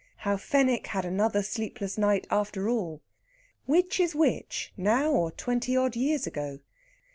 HOW FENWICK HAD ANOTHER SLEEPLESS NIGHT AFTER ALL. WHICH IS WHICH, NOW OR TWENTY ODD YEARS AGO?